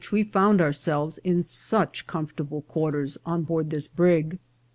we found ourselves in such comfortable quarters on board this brig.